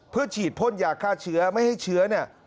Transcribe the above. เพื่อฉีดพ่นยาฆ่าเชื้อไม่ให้เชื้อเนี่ย